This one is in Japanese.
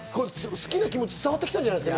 好きな気持ちが伝わってきたんじゃないですか。